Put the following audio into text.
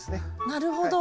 なるほど。